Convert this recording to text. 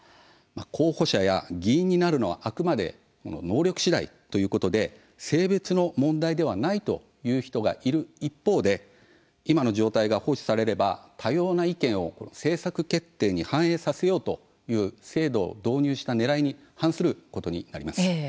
候補者や議員になるのはあくまで能力しだいであり性別の問題ではないという人がいる一方で今の状態が放置されれば多様な意見を政策決定に反映させようという制度を導入したねらいに反することになります。